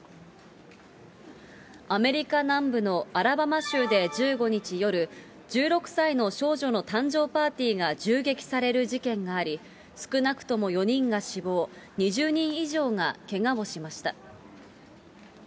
アメリカ南部のアラバマ州で１５日夜、１６歳の少女の誕生パーティーが銃撃される事件があり、少なくとも４人が死亡、２０人以上がけがをしました。